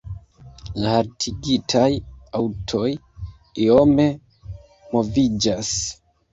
La haltigitaj aŭtoj iome moviĝas.